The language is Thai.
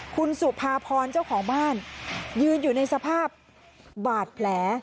คุณสุภาพรเจ้าของบ้านยืนอยู่ในสภาพบาดแผล